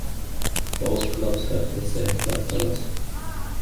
Both clubs have the same club colors.